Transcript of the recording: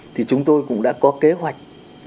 thì chúng tôi cũng đã có kế hoạch